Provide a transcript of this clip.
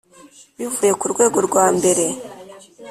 Bivuye ku rwego rwa mbere